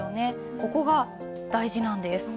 ここが大事なんです。